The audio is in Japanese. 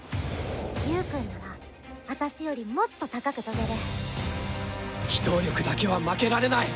ゆーくんなら私よりもっと高く飛べる機動力だけは負けられない！